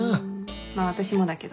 まぁ私もだけど。